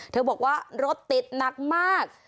เธอบอกว่ารถติดหนักมาก